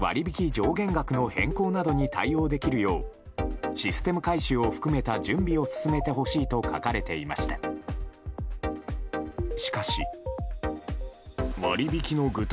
上限額の変更などに対応できるようシステム改修を含めた準備を進めてほしいと書かれていました。